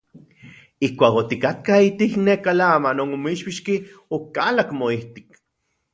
Ijkuak otikatka ijtik neka lama non omitspixki, okalak moijtik.